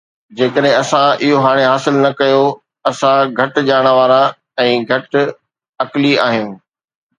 جيڪڏهن اسان اهو هاڻي حاصل نه ڪيو، اسان گهٽ ڄاڻ وارا ۽ گهٽ عقلي آهيون